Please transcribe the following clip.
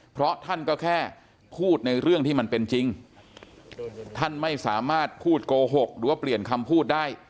เพราะท่านก็แค่พูดในเรื่องที่มันเป็นจริงท่านไม่สามารถพูดโกหกหรือว่าเปลี่ยนคำพูดได้